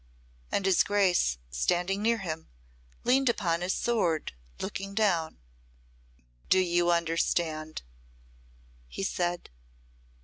And his Grace, standing near him, leaned upon his sword, looking down. "Do you understand?" he said.